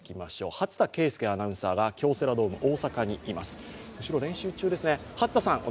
初田啓介アナウンサーが京セラドーム大阪にいます。